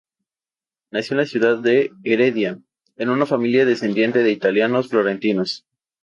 Nació en la ciudad de Heredia, en una familia descendiente de italianos florentinos.